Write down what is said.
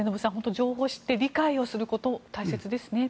情報を知って理解することが大事ですね。